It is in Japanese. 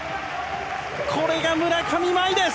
これが村上茉愛です！